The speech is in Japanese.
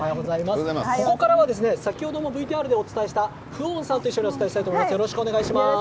ここからはＶＴＲでお伝えしたフオンさんと一緒にお伝えします。